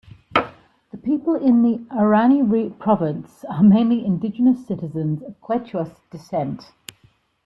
The people in the Arani Province are mainly indigenous citizens of Quechua descent.